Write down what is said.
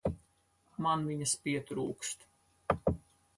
Man viņas pietrūkst.